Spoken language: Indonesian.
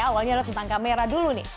awalnya adalah tentang kamera dulu nih